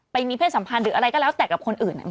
ไปมีเพศสัมพันธ์หรืออะไรก็แล้วแต่กับคนอื่น